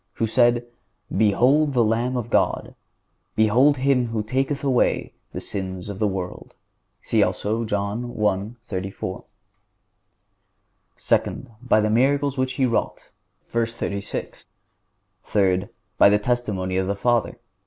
33), who had said, "Behold the Lamb of God; behold Him who taketh away the sins of the world." See also John i. 34. Second—By the miracles which He wrought (v. 36). Third—By the testimony of the Father (v.